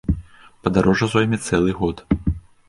Падарожжа зойме цэлы год.